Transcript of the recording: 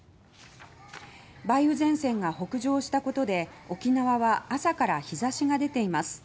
梅雨前線が北上したことで沖縄は朝から日差しが出ています。